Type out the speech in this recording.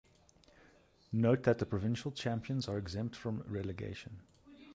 Note that the provincial champions are exempt from relegation.